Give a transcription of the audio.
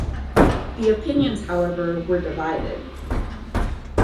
The opinions, however, were divided.